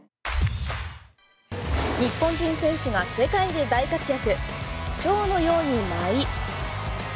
日本人選手が世界で大活躍。